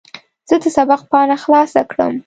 زه د سبق پاڼه خلاصه کړم.